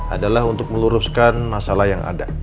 adalah untuk meluruskan masalah yang ada